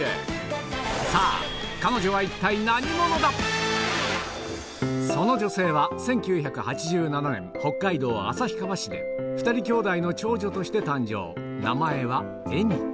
彼女はその女性は１９８７年北海道旭川市で２人姉弟の長女として誕生名前はえみ